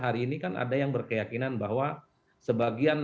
hari ini kan ada yang berkeyakinan bahwa sebagian